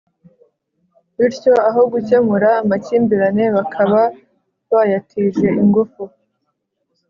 bityo aho gukemura amakimbirane bakaba bayatije ingufu